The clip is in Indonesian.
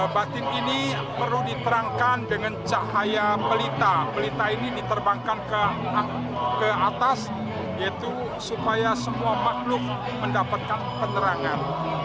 batin ini perlu diterangkan dengan cahaya pelita pelita ini diterbangkan ke atas yaitu supaya semua makhluk mendapatkan penerangan